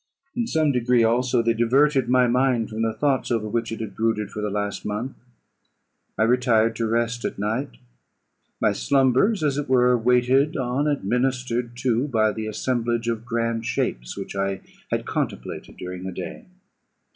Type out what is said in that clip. In some degree, also, they diverted my mind from the thoughts over which it had brooded for the last month. I retired to rest at night; my slumbers, as it were, waited on and ministered to by the assemblance of grand shapes which I had contemplated during the day.